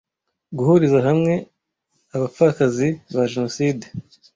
Guhuriza hamwe abapfakazi ba Jenoside